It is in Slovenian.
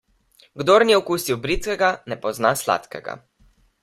Kdor ni okusil bridkega, ne pozna sladkega.